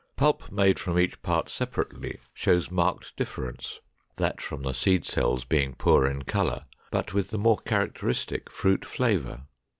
Pulp made from each part separately shows marked difference, that from the seed cells being poor in color, but with the more characteristic fruit flavor.